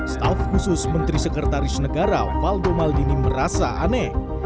staff khusus menteri sekretaris negara waldo maldini merasa aneh